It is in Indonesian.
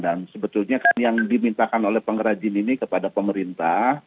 dan sebetulnya kan yang dimintakan oleh pengrajin ini kepada pemerintah